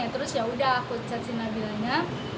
terus yaudah aku chat si nabilanya